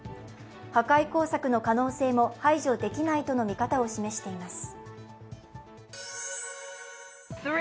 破壊工作の可能性も排除できないとの見方を示しています。